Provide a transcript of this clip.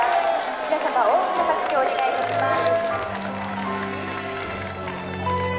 皆様大きな拍手をお願いいたします」。